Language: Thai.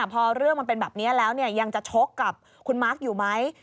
พอเรื่องมันเป็นแบบนี้แล้วยังจะชกกับคุณมาร์คอยู่ไหม